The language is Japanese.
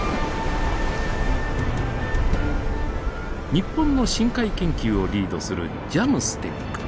日本の深海研究をリードするＪＡＭＳＴＥＣ